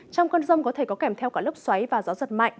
trong cơn rông có thể có kẻm theo cả lớp xoáy và gió giật mạnh